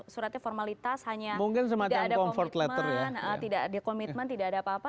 suratnya formalitas hanya tidak ada komitmen tidak ada apa apa